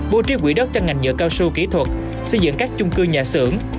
bố trí quỹ đất cho ngành nhựa cao su kỹ thuật xây dựng các chung cư nhà xưởng